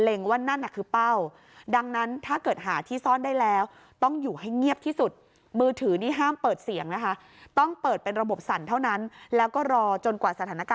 เล็งว่านั่นน่ะคือเป้าดังนั้นถ้าเกิดหาที่ซ่อนได้แล้ว